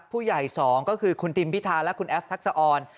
ผู้ใหญ่๒ก็คือคุณทิมพิธาและคุณแอฟทักษะออน